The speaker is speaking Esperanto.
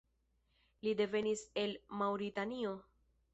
Li devenis el Maŭritanio.